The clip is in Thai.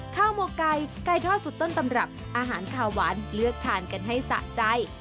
หมกไก่ไก่ทอดสุดต้นตำรับอาหารขาวหวานเลือกทานกันให้สะใจ